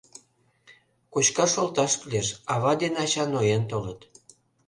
Кочкаш шолташ кӱлеш, ава ден ача ноен толыт.